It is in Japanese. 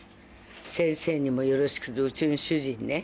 先生にもよろしく」ってうちの主人ね。